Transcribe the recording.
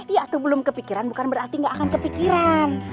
ya tuh belum kepikiran bukan berarti gak akan kepikiran